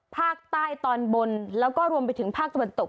ภาคใต้ตอนบนแล้วก็รวมไปถึงภาคตะวันตก